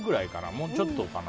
もうちょっとかな。